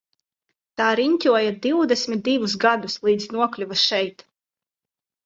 Tā riņķoja divdesmit divus gadus līdz nokļuva šeit.